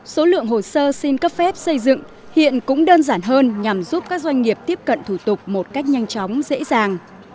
số lượng hồ sơ xin cấp phép xây dựng hiện cũng đơn giản hơn nhằm giúp các doanh nghiệp tiếp cận thủ tục một cách nhanh chóng dễ dàng